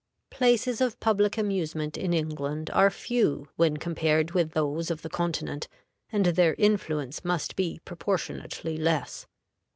PLACES OF PUBLIC AMUSEMENT in England are few when compared with those of the Continent, and their influence must be proportionately less.